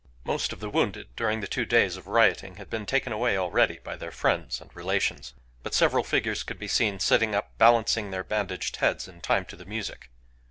Most of the wounded during the two days of rioting had been taken away already by their friends and relations, but several figures could be seen sitting up balancing their bandaged heads in time to the music.